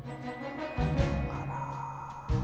あら。